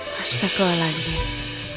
masa keolah nek